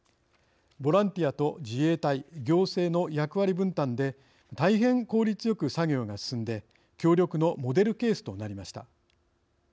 ボランティアと自衛隊行政の役割分担でたいへん効率よく作業が進んで協力のモデルケースとなりました。